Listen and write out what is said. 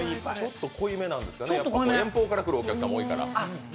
ちょっと濃いめなんですかね、遠方から来るお客さんも多いから。